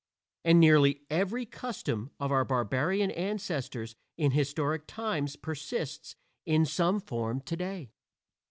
And nearly every custom of our barbarian ancestors in historic times persists in some form today.